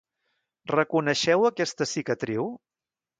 Reconeixeu aquesta cicatriu?